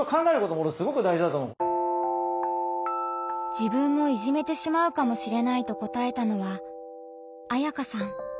自分もいじめてしまうかもしれないと答えたのはあやかさん。